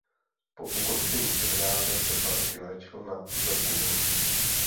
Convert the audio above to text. Po ukončení semináře se dva roky léčil na tuberkulózu.